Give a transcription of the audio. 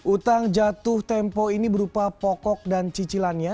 utang jatuh tempo ini berupa pokok dan cicilannya